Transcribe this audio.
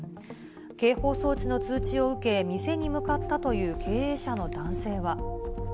警報装置の通知を受け、店に向かったという経営者の男性は。